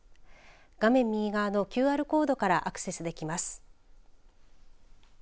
画面右側のＱＲコードからアクセスできます。